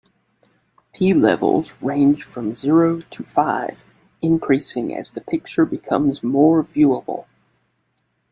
P levels range from zero to five, increasing as the picture becomes more viewable.